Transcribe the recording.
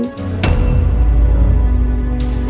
syait khm slash